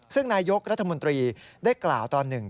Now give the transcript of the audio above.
ซึ่งนายกรัฐมนตรีได้กล่าวตอนหนึ่ง